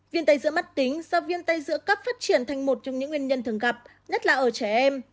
viêm tay giữa mắt tính do viêm tay giữa cấp phát triển thành một trong những nguyên nhân thường gặp nhất là ở trẻ em